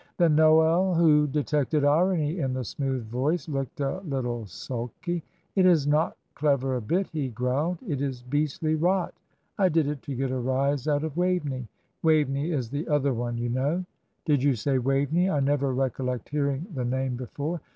Then Noel, who detected irony in the smooth voice, looked a little sulky. "It is not clever a bit," he growled; "it is beastly rot. I did it to get a rise out of Waveney Waveney is the other one, you know." "Did you say Waveney? I never recollect hearing the name before."